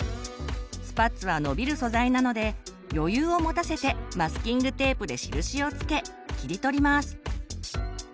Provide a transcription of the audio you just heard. スパッツはのびる素材なので余裕を持たせてマスキングテープで印を付け切り取ります。